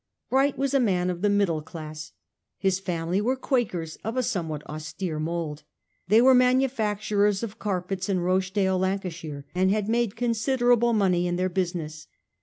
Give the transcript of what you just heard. Bright was a man of the middle class. His family were Quakers of a somewhat austere mould. They were manu facturers of carpets in Rochdale, Lancashire, and had made considerable money in their business.